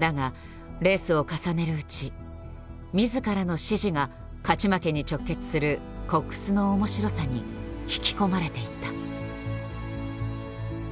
だがレースを重ねるうち自らの指示が勝ち負けに直結するコックスの面白さに引き込まれていった。